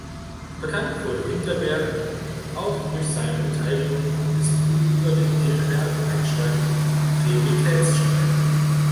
Bekannt wurde Winterberg auch durch seine Beteiligung am Disput über den Hilbert-Einstein-Prioritätsstreit.